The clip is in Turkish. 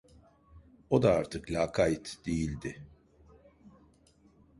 O da artık lakayt değildi.